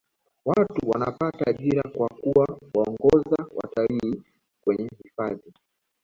watu wanapata ajira kwa kuwa waongoza watalii kwenye hifadhi